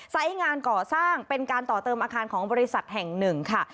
งานก่อสร้างเป็นการต่อเติมอาคารของบริษัทแห่งหนึ่งค่ะ